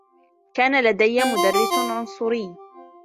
كان لديّ مدرّس عنصري.